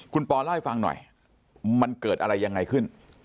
คุณปอเล่าให้ฟังหน่อยมันเกิดอะไรยังไงขึ้น